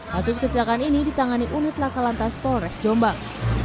kasus kecelakaan ini ditangani unit lakalantas polres jombang